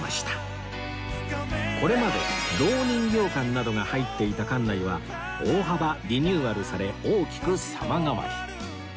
これまでろう人形館などが入っていた館内は大幅リニューアルされ大きく様変わり